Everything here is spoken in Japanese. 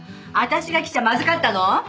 私が来ちゃまずかったの？